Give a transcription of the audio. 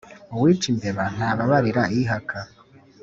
Uwica imbeba ntababarira ihaka.